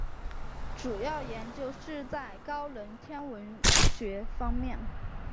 主要研究是在高能天文学方面。